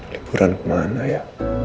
lipuran ke mana ya